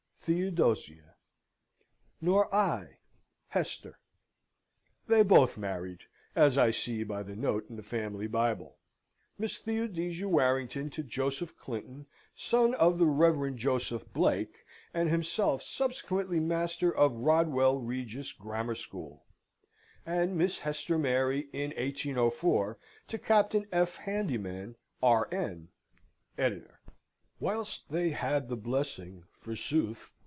THEODOSIA." "Nor I. HESTER." They both married, as I see by the note in the family Bible Miss Theodosia Warrington to Joseph Clinton, son of the Rev. Joseph Blake, and himself subsequently Master of Rodwell Regis Grammar School; and Miss Hester Mary, in 1804, to Captain F. Handyman, R.N. ED.] Whilst they had the blessing (forsooth!)